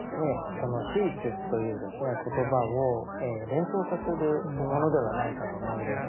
その「守一」という言葉を連想させるものではないかと思います。